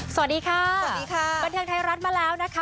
สวัสดีค่ะสวัสดีค่ะบันเทิงไทยรัฐมาแล้วนะคะ